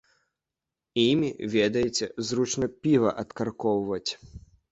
Імі, ведаеце, зручна піва адкаркоўваць.